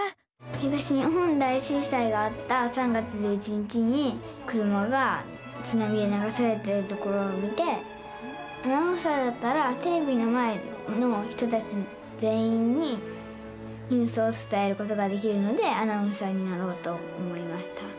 東日本大震災があった３月１１日に車がつなみでながされてるところを見てアナウンサーだったらテレビの前の人たち全員にニュースをつたえることができるのでアナウンサーになろうと思いました。